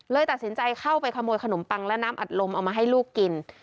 ตัดสินใจเข้าไปขโมยขนมปังและน้ำอัดลมเอามาให้ลูกกิน